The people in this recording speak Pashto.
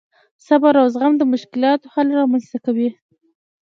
صبر او زغم د مشکلاتو حل رامنځته کوي.